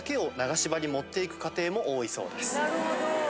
なるほど。